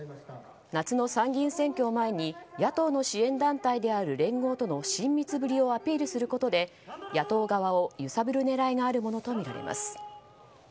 夏の参議院選挙を前に野党の支援団体である連合との親密ぶりをアピールすることで野党側を揺さぶる狙いがあるものとみられます。